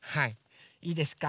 いいですか